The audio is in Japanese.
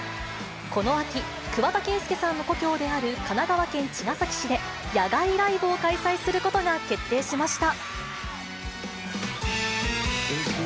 この秋、桑田佳祐さんの故郷である神奈川県茅ヶ崎市で野外ライブを開催することが決定しました。